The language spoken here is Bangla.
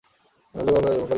নড়লে বা কথা বললেই মরবি।